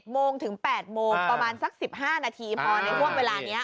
โมงถึง๘โมงประมาณสัก๑๕นาทีพอในห่วงเวลานี้